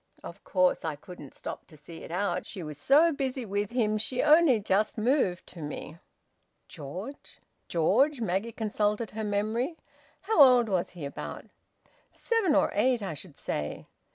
Of course I couldn't stop to see it out. She was so busy with him she only just moved to me." "George? George?" Maggie consulted her memory. "How old was he, about?" "Seven or eight, I should say."